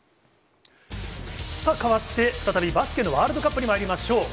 変わって再びバスケのワールドカップにまいりましょう。